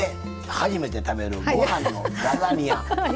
初めて食べるご飯のラザニア。